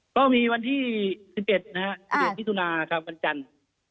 กริวที่ทุนาค่ะบรรจันทร์